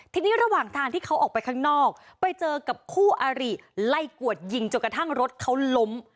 ทีนี้ระหว่างทางที่เขาออกไปข้างนอกไปเจอกับคู่อาริไล่กวดยิงจนกระทั่งรถเขาล้ม